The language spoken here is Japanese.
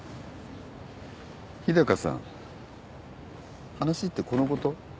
日高さん話ってこのこと？